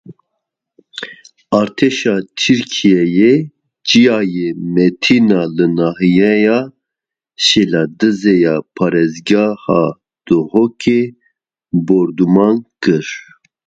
Artêşa Tirkiyeyê Çiyayê Metîna li nahyeya Şêladizê ya parêzgeha Duhokê bordûman kir.